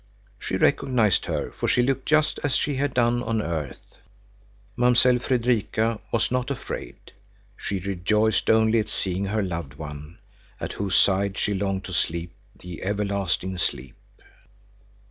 She recognized her, for she looked just as she had done on earth. Mamsell Fredrika was not afraid; she rejoiced only at seeing her loved one, at whose side she longed to sleep the everlasting sleep.